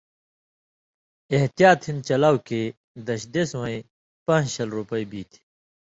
احتیاط ہِن چلاؤ کھیں دش دیس وَیں پان٘ژ شل رُپئ بیں تھی